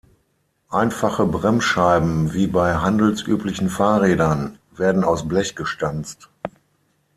Einfache Bremsscheiben, wie bei handelsüblichen Fahrrädern, werden aus Blech gestanzt.